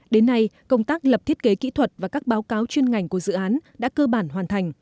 đến nay công tác lập thiết kế kỹ thuật và các báo cáo chuyên ngành của dự án đã cơ bản hoàn thành